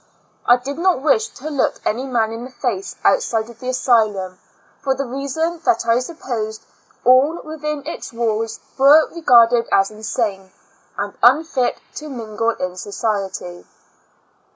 I did not wish to look any man in the face, outside of the asylum, for the reason that I supposed all within its walls 7i\^ A L UNA TIC ASTL UM. g \ were resfarcled as insane and unfit to mino; le in society.